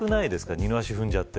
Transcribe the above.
二の足を踏んじゃって。